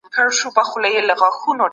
لنډ مهال حرکت د وینې شکر کنټرولوي.